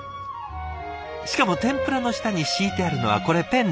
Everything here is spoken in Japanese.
しかも天ぷらの下に敷いてあるのはこれペンネ。